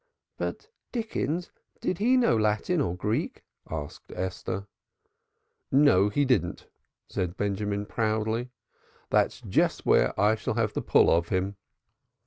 "But Dickens did he know Latin or Greek?" asked Esther. "No, he didn't," said Benjamin proudly. "That's just where I shall have the pull of him.